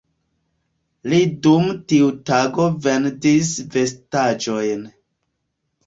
Li dum tiu tago vendis vestaĵojn.